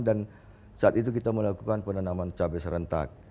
dan saat itu kita melakukan penanaman cabai serentak